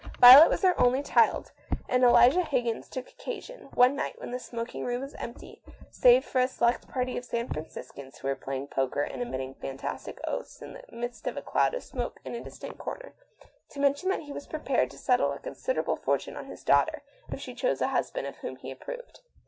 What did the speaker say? Violet was their only child, and Elijah Higgins took occasion one night when the smoking room was empty, save for a select party of San Franciscans who were playing poker and emitting fantastic oaths in the midst of a cloud of smoke in a distant corner, to mention that he was prepared to settle a considerable fortune on his daughter if she chose a husband of whom he ap proved.